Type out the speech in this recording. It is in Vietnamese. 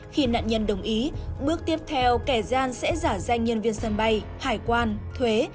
khi nạn nhân đồng ý bước tiếp theo kẻ gian sẽ giả danh nhân viên sân bay hải quan thuế